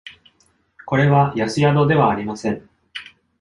これは安宿ではありません。